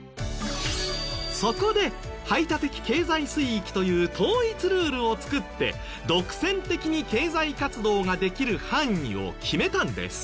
そこで排他的経済水域という統一ルールを作って独占的に経済活動ができる範囲を決めたんです。